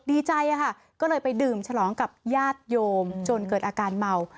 ดีใจค่ะก็เลยไปดื่มฉลองกับญาติโยมจนเกิดอาการเมา